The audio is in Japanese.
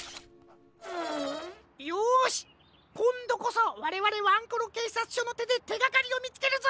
よしこんどこそわれわれワンコロけいさつしょのてでてがかりをみつけるぞ！